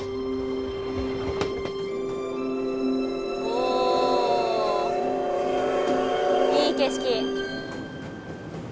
おいい景色。